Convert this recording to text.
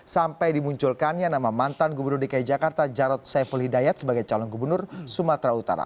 sampai dimunculkannya nama mantan gubernur dki jakarta jarod saiful hidayat sebagai calon gubernur sumatera utara